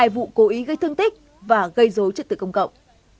hai vụ cố ý gây thương tích và gây dối trật tự công cộng